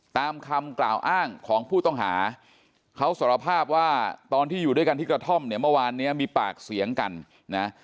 ตามคำกล่าวอ้างของผู้ต้องหาเขาสารภาพว่าตอนที่อยู่ด้วยกันที่กระท่อมเนี่ยเมื่อวานเนี้ยมีปากเสียงกันนะ